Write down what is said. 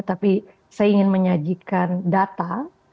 tapi saya ingin menyajikan data